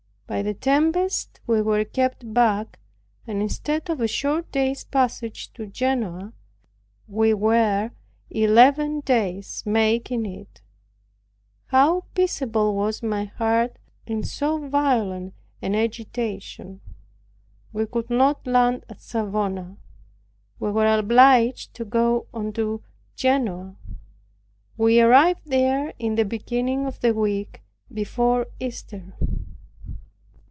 By the tempest we were kept back, and instead of a short day's passage to Genoa, we were eleven days making it. How peaceable was my heart in so violent an agitation! We could not land at Savona. We were obliged to go on to Genoa. We arrived there in the beginning of the week before Easter.